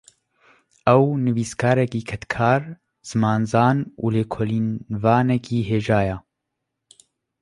Ew, nivîskarekî kedkar, zimanzan û lêkolînvanekî hêja ye